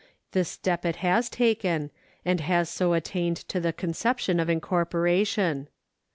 This step it has taken, and has so attained to the conception of incorporation.